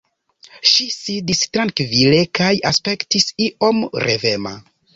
Ŝi sidis trankvile kaj aspektis iom revema.